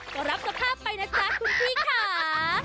ก็รับสภาพไปนะจ๊ะคุณพี่ค่ะ